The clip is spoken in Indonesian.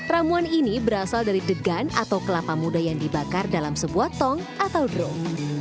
ramuan ini berasal dari degan atau kelapa muda yang dibakar dalam sebuah tong atau drone